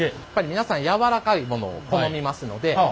皆さん柔らかいものを好みますので。